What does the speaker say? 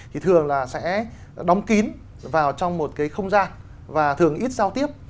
thì thường là sẽ đóng kín vào trong một cái không gian và thường ít giao tiếp